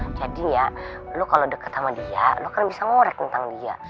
ya lo kalau deket sama dia lo kan bisa ngorek tentang dia